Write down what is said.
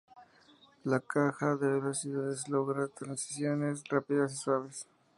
La caja de velocidades logra transiciones rápidas y suaves.